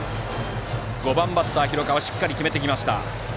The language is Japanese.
５番バッター、広川しっかり決めてきました。